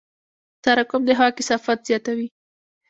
تراکم د هوا کثافت زیاتوي.